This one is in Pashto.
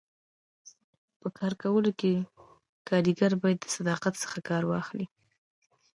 په کار کولو کي کاریګر باید د صداقت څخه کار واخلي.